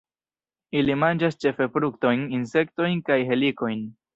Ili manĝas ĉefe fruktojn, insektojn kaj helikojn.